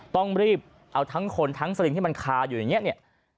ต้องรีบเอาทั้งคนทั้งสลิงที่มันคาอยู่อย่างนี้เนี่ย